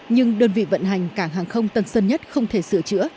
nhưng đơn vị vận hành cảng hàng không tân sơn nhất không thể sửa chữa